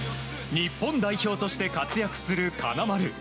日本代表として活躍する金丸。